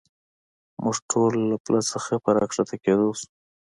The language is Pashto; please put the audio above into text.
موږ ټول له پله څخه په را کښته کېدو شو.